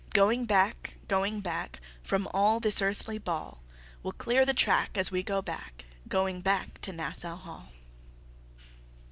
Going back—going back, From all—this—earth ly—ball, We'll—clear—the—track—as—we—go—back— Going—back—to—Nas sau—Hall!"